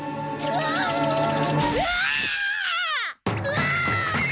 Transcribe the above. うわ！